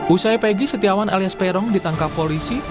usai pegi setiawan alias peron ditangkap polisi